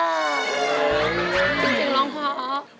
จริงร้องพอ